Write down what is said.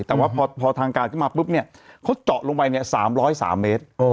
แต่ว่าพอทางการขึ้นมาปุ๊บเนี่ยเขาเจาะลงไปเนี่ย๓๐๓เมตร